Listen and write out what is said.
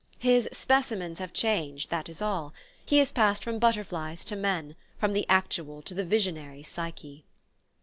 His "specimens" have changed, that is all: he has passed from butterflies to men, from the actual to the visionary Psyche.